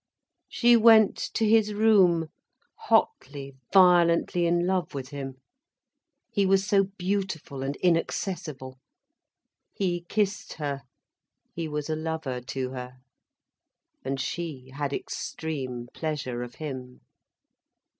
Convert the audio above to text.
She went to his room, hotly, violently in love with him. He was so beautiful and inaccessible. He kissed her, he was a lover to her. And she had extreme pleasure of him.